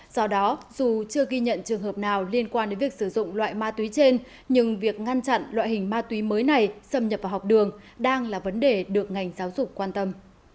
do đó dù chưa ghi nhận trường hợp nào liên quan đến việc sử dụng loại ma túy trên nhưng việc ngăn chặn loại hình ma túy mới này xâm nhập vào học đường đang là vấn đề được ngành giáo dục quan tâm